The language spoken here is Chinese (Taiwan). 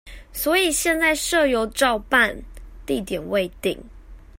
所以現在社遊照辦地點未定